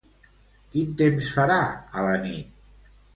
Quin temps farà a la nit?